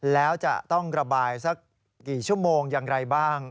แล้วจะต้องระบายสักกี่ชั่วโมงอย่างไรบ้าง